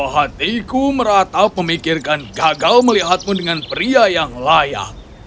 hatiku merata memikirkan gagal melihatmu dengan pria yang layak